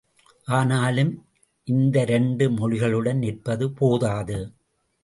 ஆனாலும் இந்த இரண்டு மொழிகளுடன் நிற்பது போதாது.